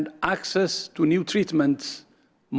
dan akses ke penyelenggaraan baru